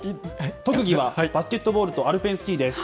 特技はバスケットボールとアルペンスキーです。